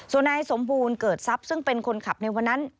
ส่วนนายสมบูรณ์เกิดทรัพย์ซึ่งเป็นคนขับในวันนั้น